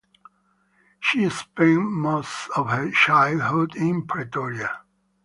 She spent most of her childhood in Pretoria.